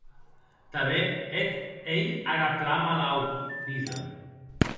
Tanben eth ei ara plan malaut, Lise.